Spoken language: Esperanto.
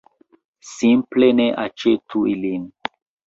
Simple ne aĉetu ilin!